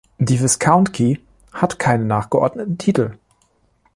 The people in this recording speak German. Die Viscountcy hat keine nachgeordneten Titel.